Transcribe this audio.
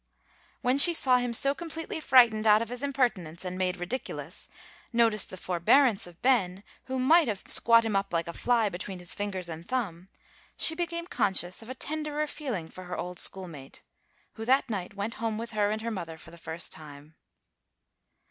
When she saw him so completely frightened out of his impertinence, and made ridiculous, noticed the forbearance of Ben, who might have squat him up like a fly between his fingers and thumb, she became conscious of a tenderer feeling for her old schoolmate, who that night went home with her and her mother for the first time.